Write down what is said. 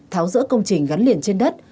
tháo rỡ công trình gắn liền trên đất